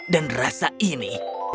dan rasa ini